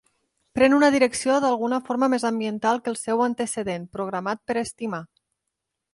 Pren una direcció d'alguna forma més ambiental que el seu antecedent, Programat per Estimar.